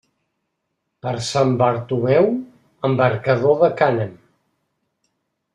Per Sant Bartomeu, embarcador de cànem.